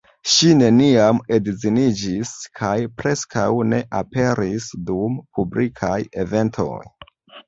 Ŝi neniam edziniĝis kaj preskaŭ ne aperis dum publikaj eventoj.